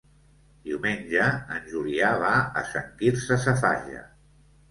Diumenge en Julià va a Sant Quirze Safaja.